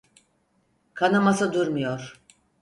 Kanaması durmuyor.